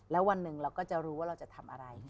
แล้ววันหนึ่งเราก็จะรู้ว่าเราจะทำอะไร